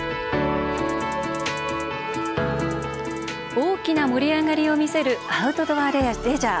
大きな盛り上がりを見せるアウトドアレジャー。